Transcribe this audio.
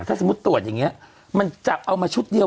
ถ้าสมมุติตรวจอย่างนี้มันจะเอามาชุดเดียว